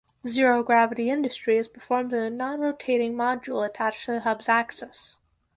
Zero-gravity industry is performed in a non-rotating module attached to the hub's axis.